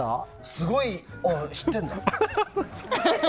すごいあ、知ってるんだ。